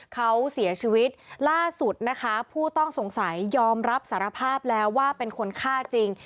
เขาเสียชีวิตล่าสุดนะคะผู้ต้องสงสัยยอมรับสารภาพแล้วว่าเป็นคนฆ่าจริง